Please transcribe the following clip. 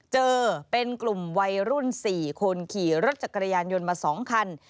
เจอเป็นกลุ่มวัยรุ่น๔คนขี่รถจักรยานยนต์มา๒คัน